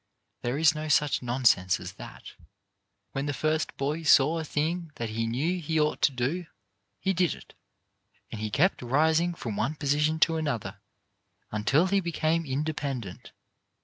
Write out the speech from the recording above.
There is no such nonsense as that. When the first boy saw a thing that he knew he ought to do, he did it ; and he kept rising from one position to another until he became in dependent.